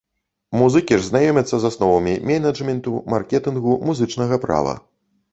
Музыкі ж знаёмяцца з асновамі менеджменту, маркетынгу, музычнага права.